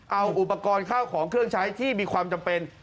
เอาอุปกรณ์ข้าวของเครื่องใช้ที่มีความจำเป็น